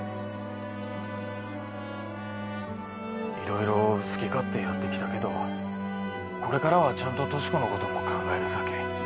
色々好き勝手やってきたけどこれからはちゃんと俊子のことも考えるさけ